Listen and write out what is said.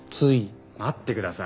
待ってください。